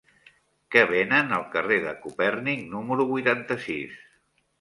Què venen al carrer de Copèrnic número vuitanta-sis?